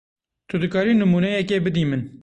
Tu dikarî nimûneyekê bidî min?